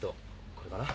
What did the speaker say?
これかな？